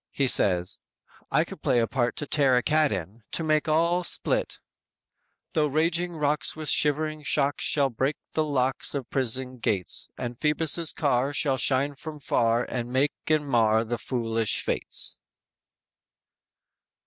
He says: _"I could play a part to tear a cat in, to make all split" "Tho raging rocks, With shivering shocks, Shall break the locks Of prison gates; And Phoebus' car Shall shine from far And make and mar The foolish fates!"